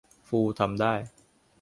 ฟูทำได้